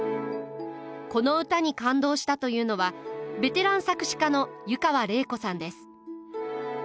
この歌に感動したというのはベテラン作詞家の湯川れい子さんです。